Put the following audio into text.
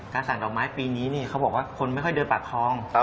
สั่งดอกไม้ปีนี้เขาบอกว่าคนไม่ค่อยเดินปากทอง